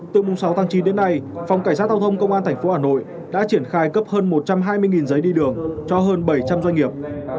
từ mùng sáu tháng chín đến nay phòng cảnh sát tàu thông công an thành phố hà nội đã triển khai cấp hơn một trăm hai mươi giấy đi đường cho hơn bảy trăm linh doanh nghiệp